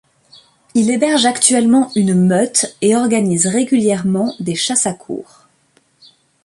Il héberge actuellement une meute et organise régulièrement des chasses à courre.